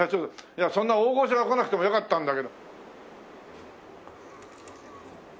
いやそんな大御所が来なくてもよかったんだけど。